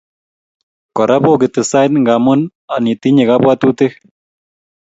Kora pokit sait ngamun anitinye kapwatutik